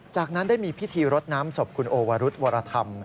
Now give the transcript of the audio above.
จากนั้นได้มีพิธีรดน้ำศพคุณโอวรุธวรธรรม